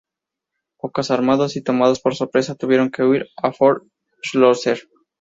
Poco armados y tomados por sorpresa tuvieron que huir a Fort Schlosser.